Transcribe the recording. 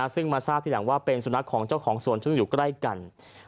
ซึ่งมาทราบทีหลังว่าเป็นสุนัขของเจ้าของสวนซึ่งอยู่ใกล้กัน